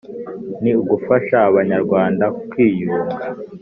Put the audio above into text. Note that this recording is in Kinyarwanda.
ni ugufasha abanyarwanda kwiyunga.